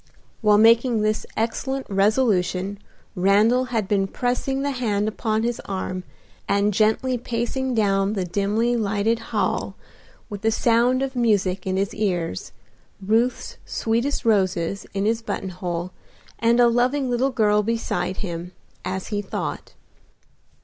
While making this excellent resolution Randal had been pressing the hand upon his arm and gently pacing down the dimly lighted hall with the sound of music in his ears, Ruth's sweetest roses in his button hole, and a loving little girl beside him, as he thought.